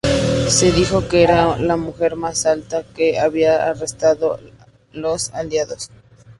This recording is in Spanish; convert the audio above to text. Se dijo que era la mujer más alta que habían arrestado los Aliados.